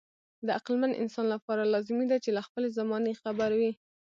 د عقلمن انسان لپاره لازمي ده چې له خپلې زمانې خبر وي.